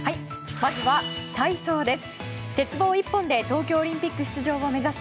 まずは体操です。